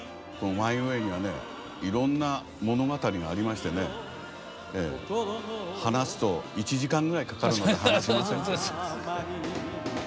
「マイ・ウェイ」にはいろんな物語がありましてね話すと１時間ぐらいかかるので話しません。